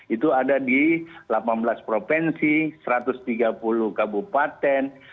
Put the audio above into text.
itu ada di delapan belas provinsi satu ratus tiga puluh kabupaten